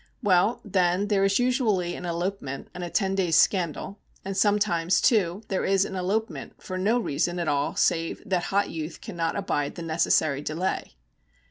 Well, then there is usually an elopement, and a ten days' scandal; and sometimes, too, there is an elopement for no reason at all save that hot youth cannot abide the necessary delay.